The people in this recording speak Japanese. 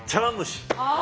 あ！